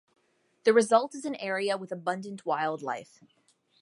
The result is an area with abundant wildlife.